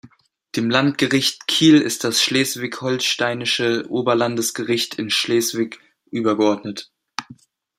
Dem Landgericht Kiel ist das Schleswig-Holsteinische Oberlandesgericht in Schleswig übergeordnet.